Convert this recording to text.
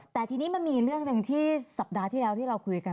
แต่ทีนี้มันมีเรื่องหนึ่งที่สัปดาห์ที่แล้วที่เราคุยกัน